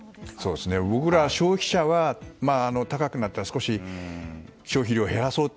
僕ら消費者は、高くなったら少し消費量を減らそうって。